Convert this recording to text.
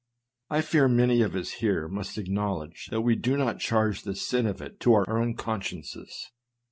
I fear many of us here must acknowledge that we do not charge the sin of it to our own consciences.